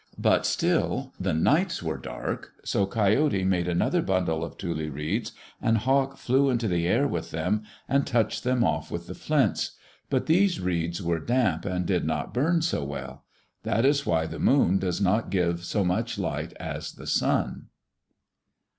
But still the nights were dark, so Coyote made another bundle of tule reeds, and Hawk flew into the air with them, and touched them off with the flints. But these reeds were damp and did not burn so well. That is why the moon does not give so much light as the sun.